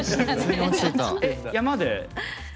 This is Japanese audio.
山で？